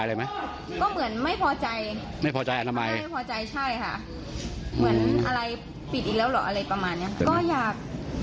เหมือนอะไรปิดอีกแล้วหรออะไรประมาณนี้ก็อยาก